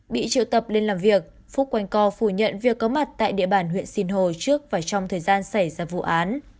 bị triệu tập lên làm việc phúc quanh co phủ nhận việc có mặt tại địa bàn huyện sinh hồ trước và trong thời gian xảy ra vụ án